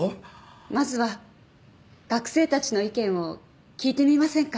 まずは学生たちの意見を聞いてみませんか？